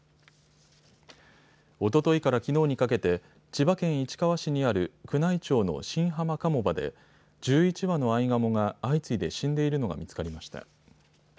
おとといからきのうにかけて千葉県市川市にある宮内庁の新浜鴨場で１１羽のアイガモが相次いで死んでいるのが見つかりました。